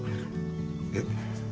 えっ？